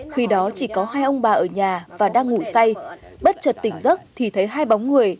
khi đó chỉ có hai ông bà ở nhà và đang ngủ say bất trật tỉnh giấc thì thấy hai bóng người